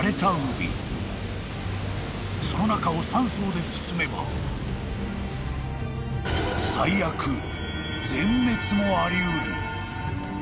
［その中を３艘で進めば最悪全滅もあり得る］